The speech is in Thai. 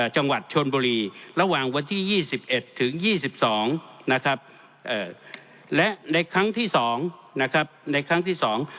จังหวัดชนโบรีระหว่างวันที่๒๑ถึง๒๒นะครับเอ่อและในครั้งที่สองนะครับในครั้งที่สอง